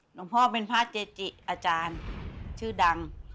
หลวงพ่อเป็นพระเกจิอาจารย์ชื่อดัง